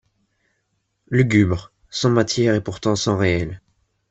Lugubre, sans matière et pourtant sans réel